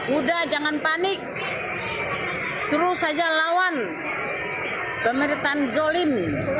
udah jangan panik terus saja lawan pemerintahan zolim